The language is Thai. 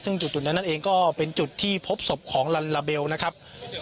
ซึ่งจุดนั้นนั่นเองก็เป็นจุดที่พบศพของลัลลาเบลนะครับ